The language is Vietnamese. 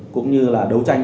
cũng như là đấu tranh